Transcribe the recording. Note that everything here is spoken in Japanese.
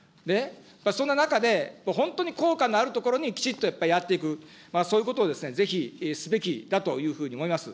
そんな中で、本当に効果のあるところにきちっとやっぱりやっていく、そういうことをぜひ、すべきだというふうに思います。